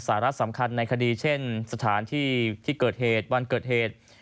สาระสำคัญในคดีเช่นสถานที่ที่เกิดเหตุวันเกิดเหตุ